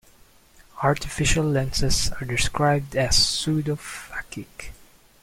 Artificial lenses are described as pseudophakic.